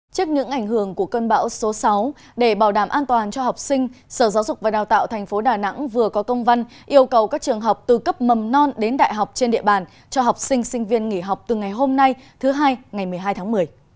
trước những ảnh hưởng của cơn bão số sáu để bảo đảm an toàn cho học sinh sở giáo dục và đào tạo tp đà nẵng vừa có công văn yêu cầu các trường học từ cấp mầm non đến đại học trên địa bàn cho học sinh sinh viên nghỉ học từ ngày hôm nay thứ hai ngày một mươi hai tháng một mươi